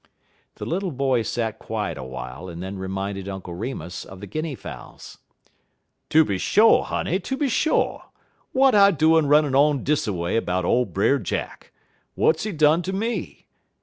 The little boy sat quiet awhile, and then reminded Uncle Remus of the guinea fowls. "Tooby sho', honey, tooby sho'! W'at I doin' runnin' on dis a way 'bout ole Brer Jack? W'at he done ter me?